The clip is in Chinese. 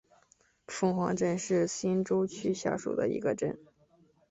凤凰镇是新洲区下属的一个镇。